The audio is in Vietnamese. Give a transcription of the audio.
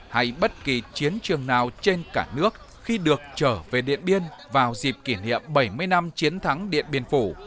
hay bất kỳ chiến trường nào trên cả nước khi được trở về điện biên vào dịp kỷ niệm bảy mươi năm chiến thắng điện biên phủ